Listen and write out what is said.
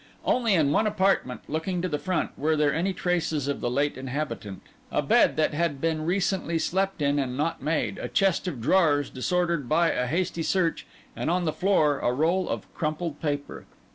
Only in one apartment, looking to the front, were there any traces of the late inhabitant: a bed that had been recently slept in and not made, a chest of drawers disordered by a hasty search, and on the floor a roll of crumpled paper.